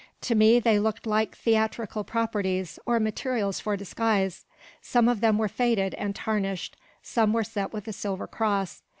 To me they looked like theatrical properties, or materials for disguise. Some of them were faded and tarnished; some were set with a silver cross.